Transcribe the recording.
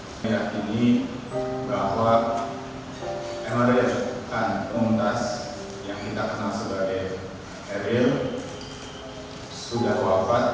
saya yakin bahwa mrf dan umtas yang kita kenal sebagai rl sudah wafat